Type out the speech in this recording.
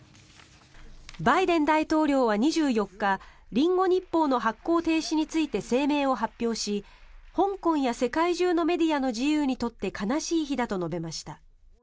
バイデン大統領は２４日リンゴ日報の発行停止について声明を発表し香港や世界中のメディアの自由にとって悲しい日だと述べました。